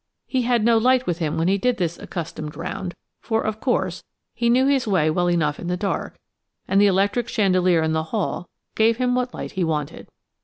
He had no light with him when he did this accustomed round, for, of course, he knew his way well enough in the dark, and the electric chandelier in the hall gave him what light he wanted.